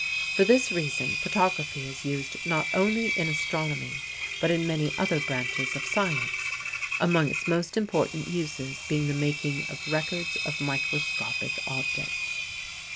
For this reason photography is used not only in astronomy but in many other branches of science, among its most important uses being the making of records of microscopic objects.